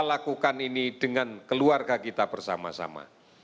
kita lakukan ini dengan keluarga kita bersama sama